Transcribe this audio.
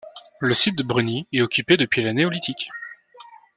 Le site de Breny est occupé depuis le Néolithique.